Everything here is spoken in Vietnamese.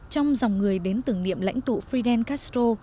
trong dòng người đến tưởng niệm lãnh tụ fidel castro